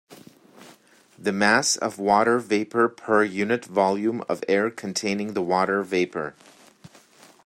The mass of water vapor per unit volume of air containing the water vapor.